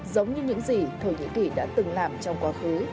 giống như những gì thổ nhĩ kỳ đã từng làm trong quá khứ